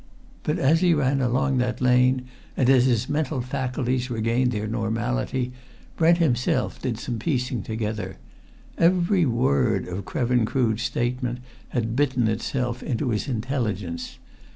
But as he ran along that lane, and as his mental faculties regained their normality Brent himself did some piecing together. Every word of Krevin Crood's statement had bitten itself into his intelligence.